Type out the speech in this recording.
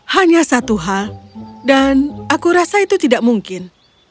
hanya satu hal dan aku rasa itu tidak mungkin